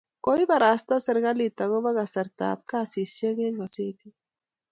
koibarasta serikalit akobo kasartab kasisiek eng' gaseti